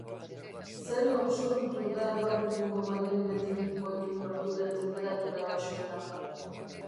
Zero absolutu da gaur egungo baliabide teknikoekin lortu den tenperatura baxuena.